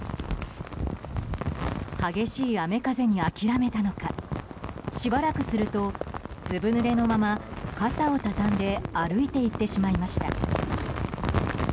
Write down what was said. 激しい雨風に諦めたのかしばらくするとずぶぬれのまま傘を畳んで歩いて行ってしまいました。